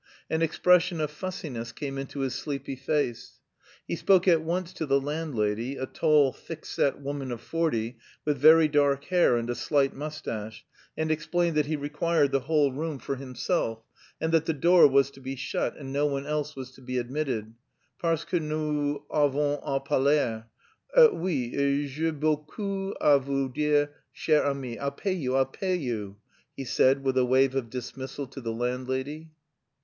An expression of fussiness came into his sleepy face. He spoke at once to the landlady, a tall, thick set woman of forty with very dark hair and a slight moustache, and explained that he required the whole room for himself, and that the door was to be shut and no one else was to be admitted, "parce que nous avons à parler. Oui, j'ai beaucoup à vous dire, chère amie. I'll pay you, I'll pay you," he said with a wave of dismissal to the landlady.